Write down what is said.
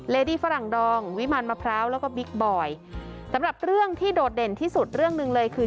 ดีฝรั่งดองวิมันมะพร้าวแล้วก็บิ๊กบอยสำหรับเรื่องที่โดดเด่นที่สุดเรื่องหนึ่งเลยคือ